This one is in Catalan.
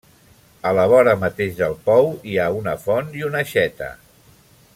A la vora mateix del pou hi ha una font i una aixeta.